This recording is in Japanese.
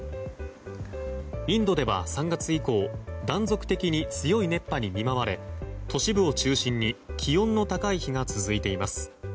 インドでは３月以降断続的に強い熱波に見舞われ都市部を中心に気温の高い日が続いています。